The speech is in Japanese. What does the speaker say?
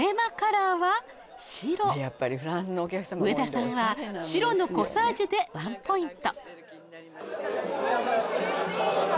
この日の上田さんは白のコサージュでワンポイント